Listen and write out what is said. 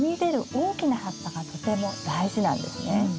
大きな葉っぱがとても大事なんですね。